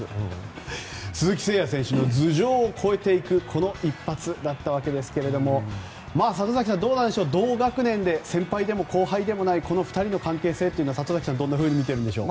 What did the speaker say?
鈴木誠也選手の頭上を越えていくこの一発だったわけですが里崎さん、どうなんでしょう同学年で先輩でも後輩でもないこの２人の関係性は里崎さんはどう見てるんでしょう。